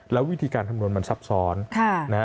แล้ววิธีการคำนวณมันซับซ้อน